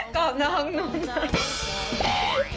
กรอบน้องนุ่น